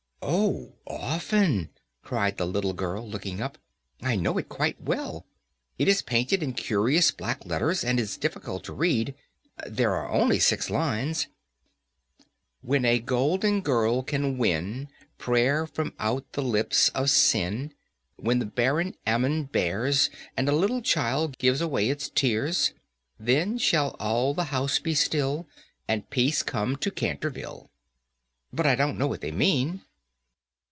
"Oh, often," cried the little girl, looking up; "I know it quite well. It is painted in curious black letters, and is difficult to read. There are only six lines: "'When a golden girl can win Prayer from out the lips of sin, When the barren almond bears, And a little child gives away its tears, Then shall all the house be still And peace come to Canterville.' "But I don't know what they mean."